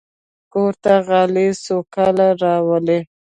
کور ته غالۍ سوکالي راولي.